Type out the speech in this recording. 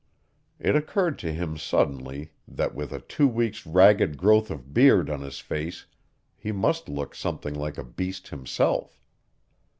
It occurred to him suddenly that with a two weeks' ragged growth of beard on his face he must look something like a beast himself.